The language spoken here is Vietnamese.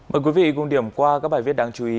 mời quý vị cùng điểm qua các bài viết đáng chú ý